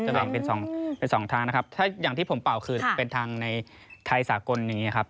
จะเป็น๒ทางนะครับอย่างที่ผมเปล่าคือเป็นทางในไทยสากลนี้ครับ